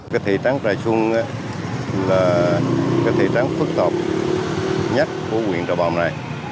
các thị trấn trà sơn là các thị trấn phức tộc nhất của huyện trà bồng này